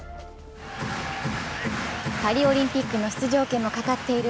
パリオリンピックの出場権もかかっている